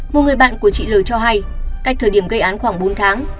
một người bạn của chị lời cho hay cách thời điểm gây án khoảng bốn tháng